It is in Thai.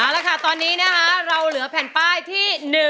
อะละครับตอนนี้นะคะวันนี้เราเหลือแผ่นป้ายที่